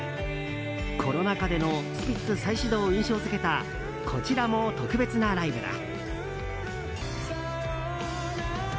コロナ禍でのスピッツ再始動を印象付けたこちらも特別なライブだ。